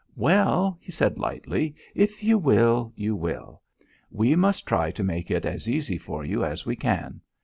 "Well," he said lightly, "if you will, you will. We must try to make it as easy for you as we can.